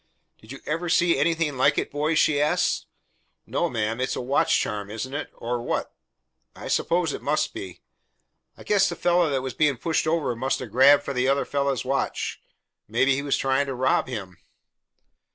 "Did you ever see anything like it, boys?" she asked. "No, ma'am. It's a watch charm, isn't it? Or what?" "I suppose it must be." "I guess the fellah that was being pushed over must 'a' grabbed for the other fellah's watch. Maybe he was trying to rob him."